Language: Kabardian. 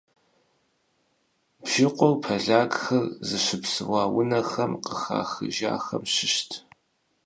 Бжыкъур полякхэр зыщыпсэуа унэхэм къыхахыжахэм щыщт.